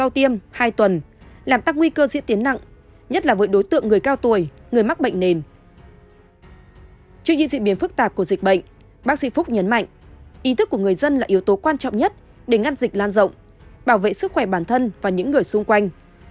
trước những diễn biến phức tạp của dịch bệnh bác sĩ phúc nhấn mạnh ý thức của người dân là yếu tố quan trọng nhất để ngăn dịch lan rộng bảo vệ sức khỏe bản thân và những người xung quanh